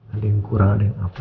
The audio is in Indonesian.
ada yang kurang ada yang apa